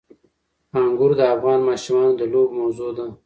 انګور د افغان ماشومانو د لوبو موضوع ده.